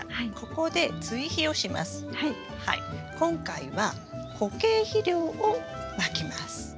今回は固形肥料をまきます。